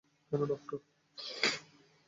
কেন, ডক্টর?